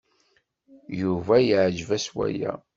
Yuba yeɛjeb-as waya.